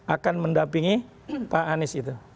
akan mendampingi pak anies itu